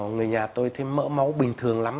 người nhà tôi thấy mỡ máu bình thường lắm